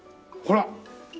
ほら！